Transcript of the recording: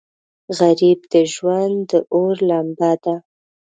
غریب د ژوند د اور لمبه ده